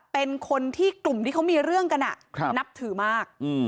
เป็นคนที่กลุ่มที่เขามีเรื่องกันนับถือมาก